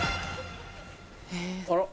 あら？